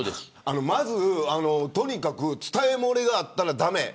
まず、とにかく伝え漏れがあったら駄目。